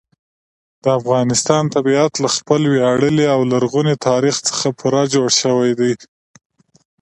د افغانستان طبیعت له خپل ویاړلي او لرغوني تاریخ څخه پوره جوړ شوی دی.